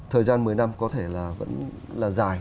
thời gian một mươi năm có thể là dài